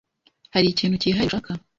Hari ikintu cyihariye ushaka?